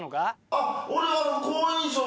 あっ俺は。